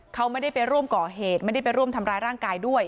เขาไม่ได้ไปร่วมก่อเหตุไม่ได้ไปร่วมทำร้ายร่างกายด้วย